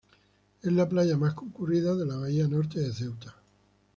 Es la playa más concurrida de la bahía Norte de Ceuta.